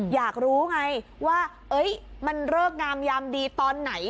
อยากรู้ไงว่ามันเลิกงามยามดีตอนไหน